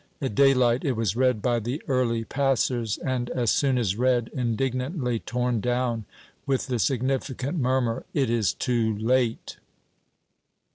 At daylight it was read by the early passers, and, as soon as read, indignantly torn down with the significant murmur, "It is too late!"